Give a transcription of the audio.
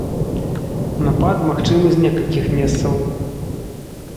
Напад магчымы з некалькіх месцаў.